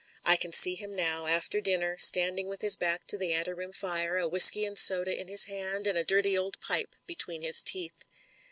I can see him now, after dinner, standing with his back to the « ante room fire, a whisky and soda in his hand and a dirty old pipe between his teeth.